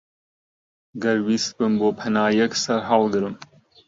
گەر ویستبم بۆ پەنایەک سەرهەڵگرم،